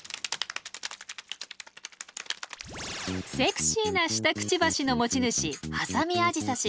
セクシーな下クチバシの持ち主ハサミアジサシ。